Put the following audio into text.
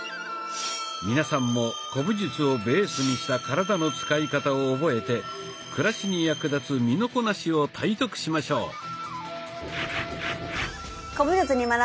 皆さんも古武術をベースにした体の使い方を覚えて暮らしに役立つ身のこなしを体得しましょう。